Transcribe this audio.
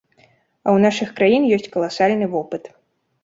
А ў нашых краін ёсць каласальны вопыт.